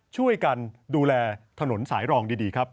ช่วยกันดูแลถนนสายรองดีครับ